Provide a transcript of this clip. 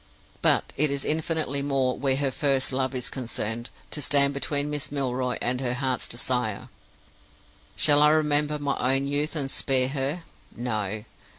But it is infinitely more, where her first love is concerned, to stand between Miss Milroy and her heart's desire. Shall I remember my own youth and spare her? No!